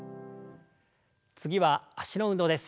次は脚の運動です。